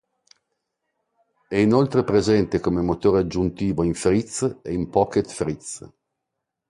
È inoltre presente come motore aggiuntivo in Fritz e in Pocket Fritz.